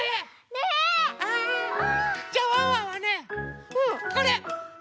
ねえ。じゃあワンワンはねこれ。